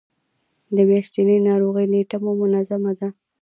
د میاشتنۍ ناروغۍ نیټه مو منظمه ده؟